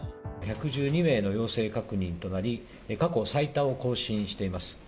１１２名の陽性確認となり、過去最多を更新しています。